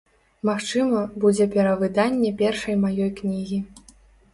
Магчыма, будзе перавыданне першай маёй кнігі.